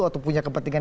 atau punya kepentingan